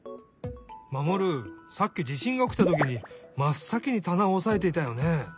マモルさっき地しんがおきたときにまっさきにたなをおさえていたよね？